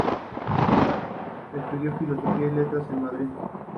Estudió Filosofía y Letras en Madrid.